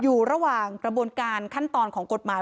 อยู่ระหว่างกระบวนการขั้นตอนของกฎหมาย